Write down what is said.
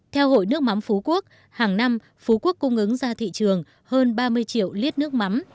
theo hội nước mắm phú quốc hàng năm phú quốc cung ứng ra thị trường hơn ba mươi triệu lít nước mắm